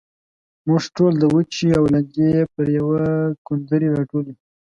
موږ ټول د وچې او لندې پر يوه کوندرې راټول وو.